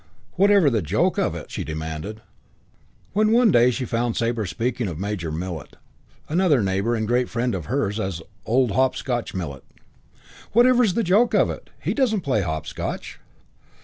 "Whatever's the joke of it?" she demanded, when one day she found Sabre speaking of Major Millet, another neighbour and a great friend of hers, as "Old Hopscotch Millet." "Whatever's the joke of it? He doesn't play hopscotch."